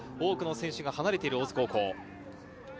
多くの選手が離れている大津高校。